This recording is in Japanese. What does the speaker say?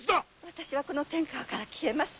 私はこの天川から消えます。